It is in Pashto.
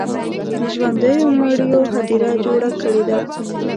د ژوندو مړیو هدیره جوړه کړې ده.